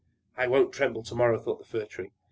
"I won't tremble to morrow!" thought the Fir Tree.